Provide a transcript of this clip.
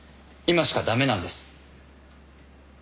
今しか駄目なんです。